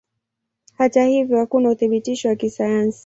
Hata hivyo hakuna uthibitisho wa kisayansi.